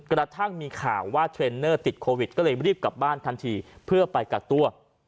กระทั่งมีข่าวว่าเทรนเนอร์ติดโควิดก็เลยรีบกลับบ้านทันทีเพื่อไปกักตัว